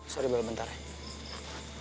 sorry balik bentar ya